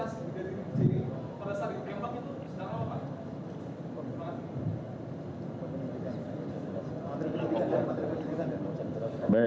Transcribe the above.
sudah apa pak